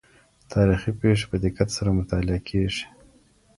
تاریخي پېښې په دقت سره مطالعه کیږي.